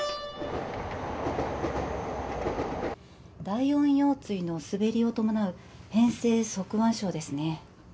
第４腰椎のすべりを伴う変性側彎症ですね